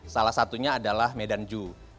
salah satunya adalah medan ju